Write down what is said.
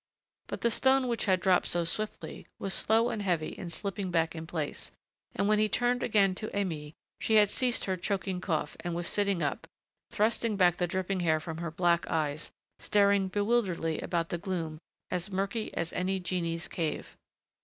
But the stone which had dropped so swiftly, was slow and heavy in slipping back in place, and when he turned again to Aimée, she had ceased her choking cough and was sitting up, thrusting back the dripping hair from her black eyes, staring bewilderedly about the gloom as murky as any genie's cave.